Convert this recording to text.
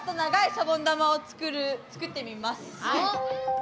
シャボン玉を作ってみます。